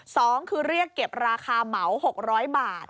สองคือเรียกเก็บราคาเหมา๖๐๐บาท